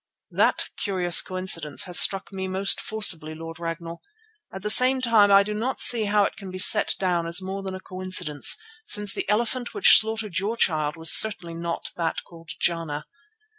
"That curious coincidence has struck me most forcibly, Lord Ragnall. At the same time I do not see how it can be set down as more than a coincidence, since the elephant which slaughtered your child was certainly not that called Jana.